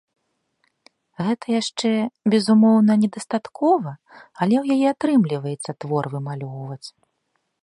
Гэта яшчэ, безумоўна, недастаткова, але у яе атрымліваецца твор вымалёўваць.